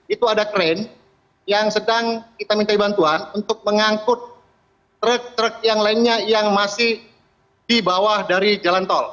itu ada kren yang sedang kita minta bantuan untuk mengangkut truk truk yang lainnya yang masih di bawah dari jalan tol